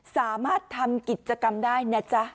สามารถทำกิจกรรมได้นะจ๊ะ